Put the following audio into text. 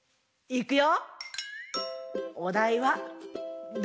いくよ！